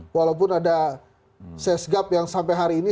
walaupun ada sesgap yang sampai hari ini